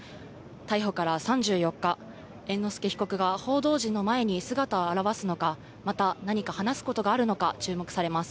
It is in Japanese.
逮捕から３４日、猿之助被告が報道陣の前に姿を現すのか、また何か話すことがあるのか注目されます。